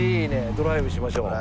ドライブしましょう。